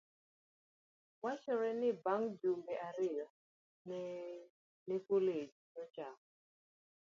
Wachore ni bang' jumbe ariyo e kolej, nochako